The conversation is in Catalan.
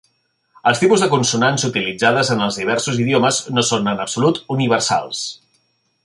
Els tipus de consonants utilitzades en els diversos idiomes no són, en absolut, universals.